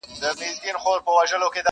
ساقي بل رنګه سخي وو مات یې دود د میکدې کړ,